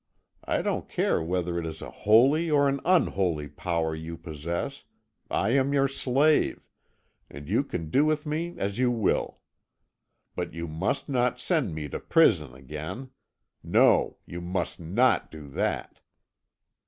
I don't care whether it is a holy or an unholy power you possess, I am your slave, and you can do with me as you will. But you must not send me to prison again no, you must not do that!